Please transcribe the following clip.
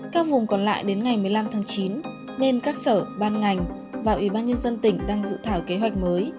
các vùng còn lại đến ngày một mươi năm tháng chín nên các sở ban ngành và ủy ban nhân dân tỉnh đang dự thảo kế hoạch mới